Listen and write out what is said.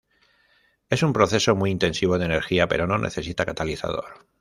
Es un proceso muy intensivo de energía, pero no necesita catalizador.